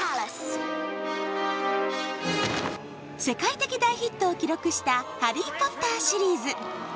世界的大ヒットを記録した「ハリー・ポッター」シリーズ。